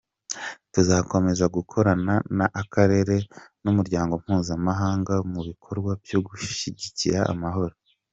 Tuzakomeza gukorana n’Akarere n’umuryango mpuzamahanga mu bikorwa byo gushyigikira amahoro.